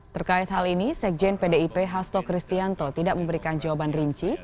terkait hal ini sekjen pdip hasto kristianto tidak memberikan jawaban rinci